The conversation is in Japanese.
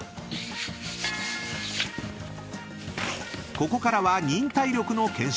［ここからは忍耐力の検証］